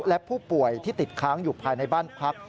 และผู้ป่วยที่ติดค้างอยู่ภายในบ้านพัก